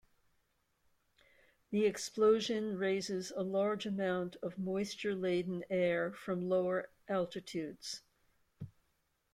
The explosion raises a large amount of moisture-laden air from lower altitudes.